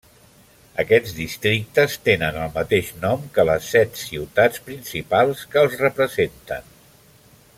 Aquests districtes tenen el mateix nom que les set ciutats principals que els representen.